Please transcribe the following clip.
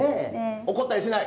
怒ったりしない？